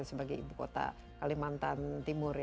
sebagai ibukota kalimantan timur